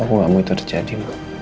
aku tidak mau itu terjadi